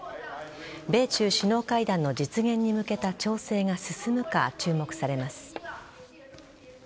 米中首脳会談の実現に向けた調整が進むか注目されます。